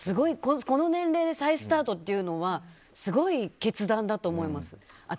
その年齢で再スタートというのはすごい決断だと思います。